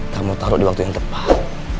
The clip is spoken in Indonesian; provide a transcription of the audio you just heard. kamu taruh di waktu yang tepat